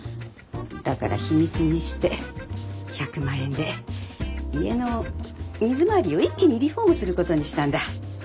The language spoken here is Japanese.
だから秘密にして１００万円で家の水回りを一気にリフォームすることにしたんだ。